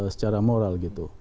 secara moral gitu